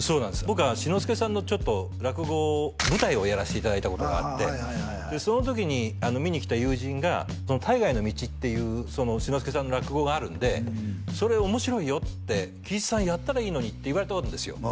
僕は志の輔さんの落語舞台をやらせていただいたことがあってその時に見に来た友人が「『大河への道』っていう志の輔さんの落語があるんで」「それ面白いよ」って「貴一さんやったらいいのに」って言われたんですよ